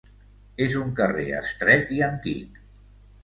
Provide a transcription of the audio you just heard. És un carrer estret i antic.